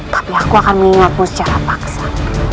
tapi aku akan mengingatku secara paksa